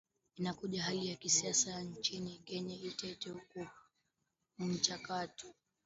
inakuja wakati hali ya kisiasa nchini kenya ni tete huku mchakato